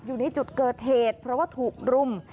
อยู่ในจุดเกิดเหตุเพราะว่าถูกรุม